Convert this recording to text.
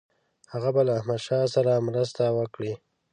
هغه به له احمدشاه سره مرسته وکړي.